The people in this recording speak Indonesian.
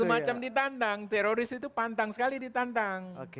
semacam ditantang teroris itu pantang sekali ditantang